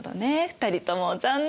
２人とも残念。